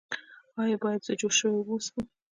ایا زه باید جوش شوې اوبه وڅښم؟